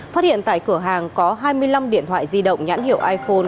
phát hiện tại cửa hàng có hai mươi năm điện thoại di động nhãn hiệu iphone